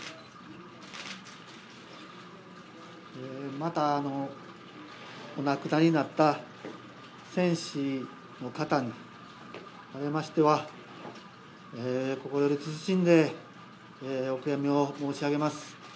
また、お亡くなりになったせんしの方におきましては、心より謹んでお悔やみを申し上げます。